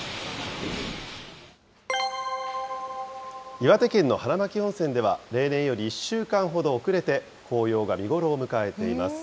岩手県の花巻温泉では、例年より１週間ほど遅れて、紅葉が見頃を迎えています。